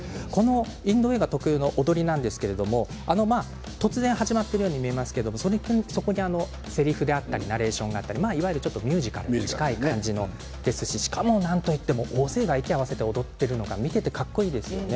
インド映画特有の踊りなんですけど、突然始まっているように見えますけどそこにせりふがあったりナレーションがあったりいわゆるミュージカルに近い感じですししかもなんといっても大勢が息を合わせて踊っているのは見ていてかっこいいですよね。